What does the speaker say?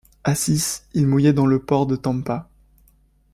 À six, il mouillait dans le port de Tampa.